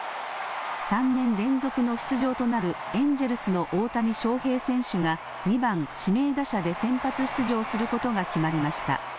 ３年連続の出場となるエンジェルスの大谷翔平選手が２番・指名打者で先発出場することが決まりました。